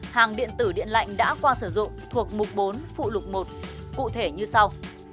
hàng điện tử điện lạnh đã qua sử dụng thuộc mục bốn phụ lục một cụ thể như sau